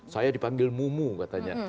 saya dipanggil mumu katanya